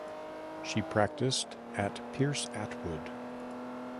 She practiced at Pierce Atwood.